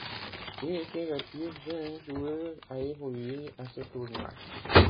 Il était le plus jeune joueur à évoluer à ce tournoi.